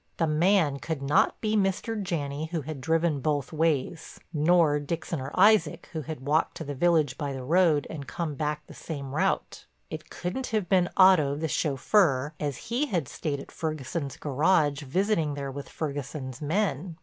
The man could not be Mr. Janney who had driven both ways, nor Dixon or Isaac who had walked to the village by the road and come back the same route. It couldn't have been Otto the chauffeur as he had stayed at Ferguson's garage visiting there with Ferguson's men.